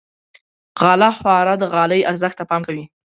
غاله خواره د غالۍ ارزښت ته پام کوي.